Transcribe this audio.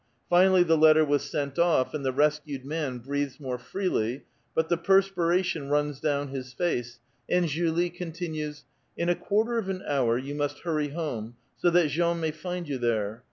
Finally the letter was sent off, and the rescued man breathes more freely, but the perspiration runs down his face, and Julie continues :—" In a quarter of an hour you must hurry home, so that Jean may find you there.